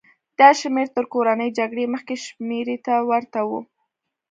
دا شمېر تر کورنۍ جګړې مخکې شمېرې ته ورته و.